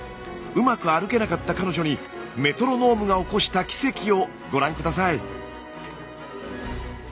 うまく歩けなかった彼女にメトロノームが起こした奇跡をご覧下さい。